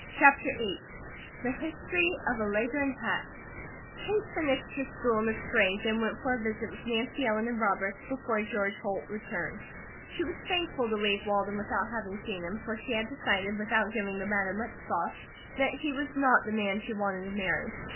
CHAPTER VIII THE HISTORY OF A LEGHORN HAT Kate finished her school in the spring, then went for a visit with Nancy Ellen and Robert, before George Holt returned. She was thankful to leave Walden without having seen him, for she had decided, without giving the matter much thought, that he was not the man she wanted to marry.